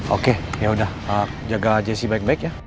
oke ya udah jaga jessy baik dua ya